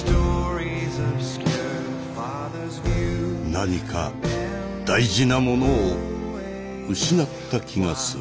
何か大事なものを失った気がする。